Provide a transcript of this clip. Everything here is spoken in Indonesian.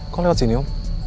kok lewat sini om